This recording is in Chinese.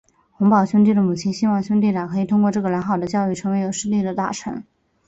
洪堡兄弟的母亲希望兄弟俩可以通过这个良好的教育成为有势力的大臣。